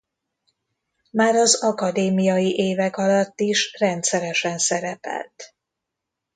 Már az akadémiai évek alatt is rendszeresen szerepelt.